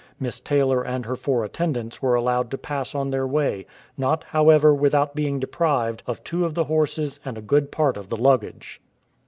Miss Taylor and her four attendants were allowed to pass on their way, not, however, without being deprived of two of the horses and a good part of the luggage.